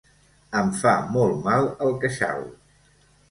Em fa molt mal el queixal.